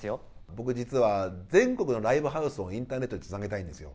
僕実は全国のライブハウスをインターネットでつなげたいんですよ。